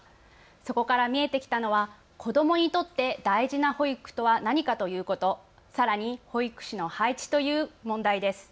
そこから見えてきたのは子どもにとって大事な保育とは何かということ、さらに保育士の配置という問題です。